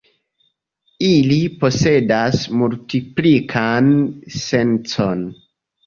Ili posedas multiplikan sencon.